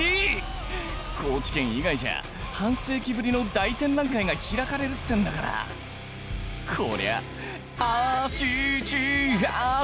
高知県以外じゃ半世紀ぶりの大展覧会が開かれるってんだからこりゃ「ＡＣＨＩＣＨＩＡＣＨＩ」